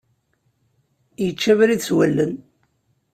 Yečča abrid s wallen.